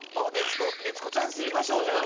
熱子チャンス行きましょうじゃあ。